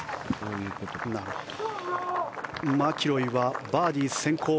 マキロイはバーディー先行。